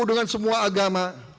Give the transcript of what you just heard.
dengan semua agama